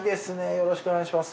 よろしくお願いします。